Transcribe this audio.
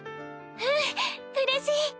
うんうれしい！